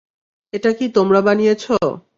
এটা কি তোমরা বানিয়েছ?